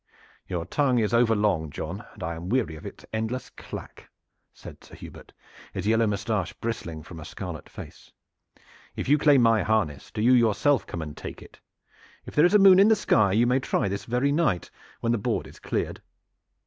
"Your tongue is overlong, John, and I am weary of its endless clack!" said Sir Hubert, his yellow mustache bristling from a scarlet face. "If you claim my harness, do you yourself come and take it. If there is a moon in the sky you may try this very night when the board is cleared."